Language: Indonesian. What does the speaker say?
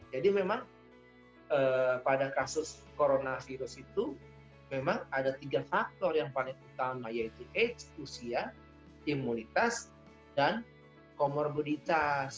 jadi memang pada kasus coronavirus itu memang ada tiga faktor yang paling utama yaitu age usia imunitas dan komorbitas